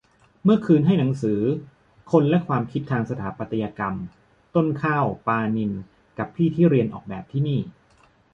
เมื่อคืนให้หนังสือ "คนและความคิดทางสถาปัตยกรรม" ต้นข้าว ปาณินท์ กับพี่ที่เรียนออกแบบที่นี่